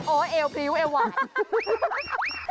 โอ๋แอลพีวแอลไหวน์